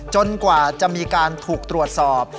กว่าจะมีการถูกตรวจสอบ